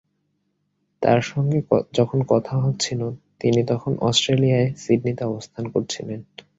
তাঁর সঙ্গে যখন কথা হচ্ছিল তিনি তখন অস্ট্রেলিয়ার সিডনিতে অবস্থান করছিলেন।